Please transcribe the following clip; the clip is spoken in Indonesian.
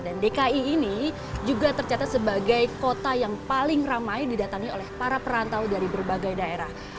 dan dki ini juga tercatat sebagai kota yang paling ramai didatangi oleh para perantau dari berbagai daerah